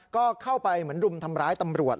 ก็เข้าไปเหมือนรุมทำร้ายตำรวจ